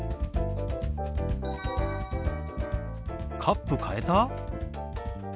カップ変えた？